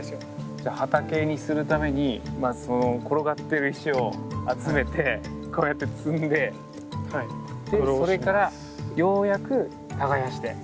じゃあ畑にするためにまずその転がってる石を集めてこうやって積んででそれからようやく耕して。